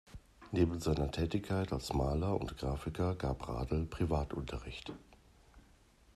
Neben seiner Tätigkeit als Maler und Grafiker gab Radl Privatunterricht.